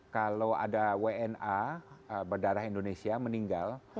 kalau ada wna berdarah indonesia meninggal